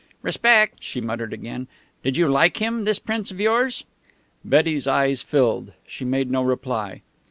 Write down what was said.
"Respect!" she muttered again. "Did you like him, this Prince of yours?" Betty's eyes filled. She made no reply.